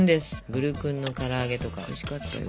グルクンの唐揚げとかおいしかったよ。